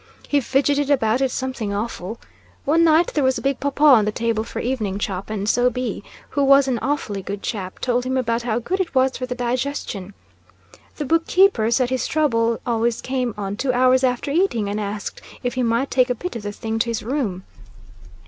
He fidgeted about it something awful. One night there was a big paw paw on the table for evening chop, and so B , who was an awfully good chap, told him about how good it was for the digestion. The book keeper said his trouble always came on two hours after eating, and asked if he might take a bit of the thing to his room.